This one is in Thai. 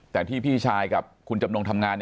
แต่ที่พี่ชายกับคุณจำนงทำงาน